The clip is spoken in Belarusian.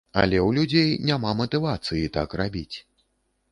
Але ў людзей няма матывацыі так рабіць.